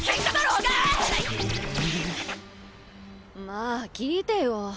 まあ聞いてよ。